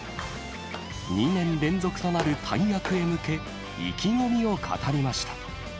２年連続となる大役へ向け、意気込みを語りました。